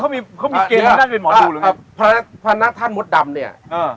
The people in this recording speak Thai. ครัวนี้เค้ามีเพียงเห็นหมอดูกับผู้น๊ะท่านมดดำเนี่ย